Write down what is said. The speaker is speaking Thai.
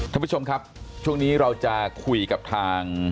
ท่านผู้ชมครับช่วงนี้เราจะคุยกับทาง